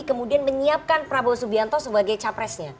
kemudian menyiapkan prabowo subianto sebagai capresnya